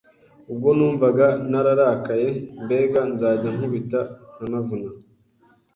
Ubwo numvaga nararakaye, mbega nzajya nkubita nkanavuna